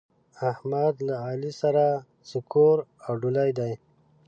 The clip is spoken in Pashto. احمد له علي سره څه کور اوډلی دی؟!